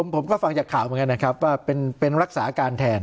ผมก็ฟังจากข่าวเหมือนกันนะครับว่าเป็นรักษาการแทน